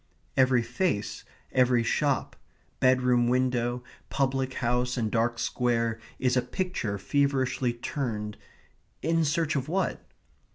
Every face, every shop, bedroom window, public house, and dark square is a picture feverishly turned in search of what?